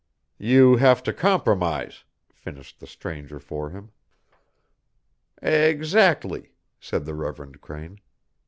"You have to compromise," finished the stranger for him. "Exactly," said the Reverend Crane.